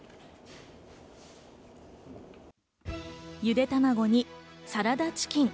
ゆで卵にサラダチキン。